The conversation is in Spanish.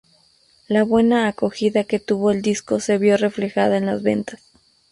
La buena acogida que tuvo el disco se vio reflejada en las ventas.